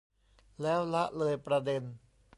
แล้วละเลยประเด็น